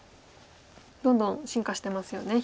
どんどん進化してますよね。